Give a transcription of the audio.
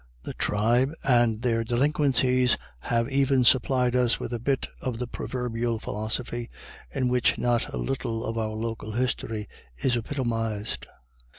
The tribe and their many delinquencies have even supplied us with a bit of the proverbial philosophy in which not a little of our local history is epitomised.